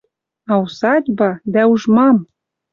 А усадьба... Дӓ уж мам!